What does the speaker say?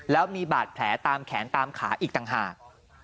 แล้วมีบาดแผลตามแขนตามขาอีกต่างหาก